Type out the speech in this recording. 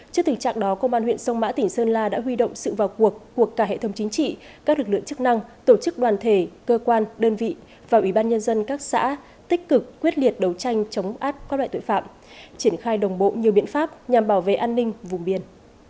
trước tình trạng đó công an huyện sông mã tỉnh sơn la đã huy động sự vào cuộc của cả hệ thống chính trị các lực lượng chức năng tổ chức đoàn thể cơ quan đơn vị và ủy ban nhân dân các xã tích cực quyết liệt đấu tranh chống áp các loại tội phạm triển khai đồng bộ nhiều biện pháp nhằm bảo vệ an ninh vùng biên